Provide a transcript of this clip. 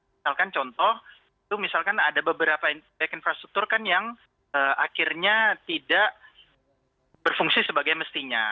misalkan contoh itu misalkan ada beberapa infrastruktur kan yang akhirnya tidak berfungsi sebagai mestinya